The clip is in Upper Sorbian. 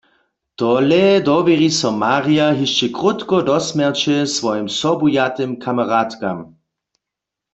Tole dowěri so Marja hišće krótko do smjerće swojim sobujatym kameradkam.